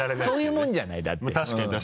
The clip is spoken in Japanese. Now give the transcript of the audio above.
そういうもんじゃないだって。